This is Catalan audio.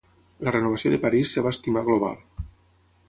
La renovació de París es va estimar global.